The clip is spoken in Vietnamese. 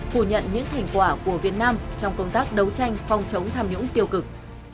phủ nhận những thành quả của việt nam trong công tác đấu tranh phòng chống tham nhũng tiêu cực